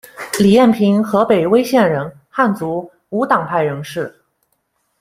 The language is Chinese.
李彦平，河北威县人，汉族，无党派人士。